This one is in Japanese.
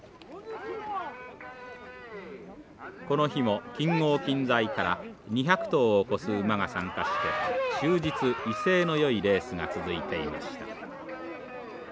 この日も近郷近在から２００頭を超す馬が参加して終日威勢のよいレースが続いていました。